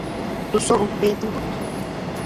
Tusoʼö bea dúdut.